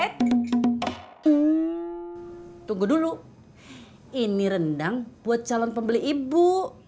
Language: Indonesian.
hmm tunggu dulu ini rendang buat calon pembeli ibu